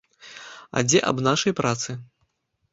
А дзе аб нашай працы?